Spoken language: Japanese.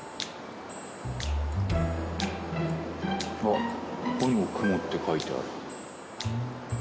あっここにも「雲」って書いてある。